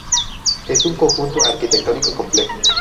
Es un conjunto arquitectónico complejo.